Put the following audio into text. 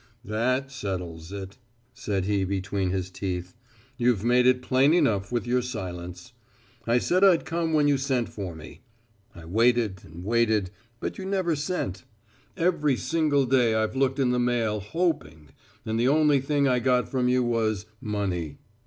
"That settles it," said he between his teeth. "You'd made it plain enough with your silence. I said I'd come when you sent for me. I waited and waited, but you never sent. Every single day I've looked in the mail hoping, and the only thing I got from you was money.